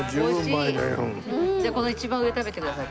じゃあこの一番上食べてください。